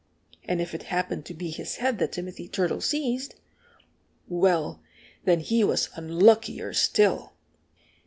And if it happened to be his head that Timothy Turtle seized well, then he was unluckier still!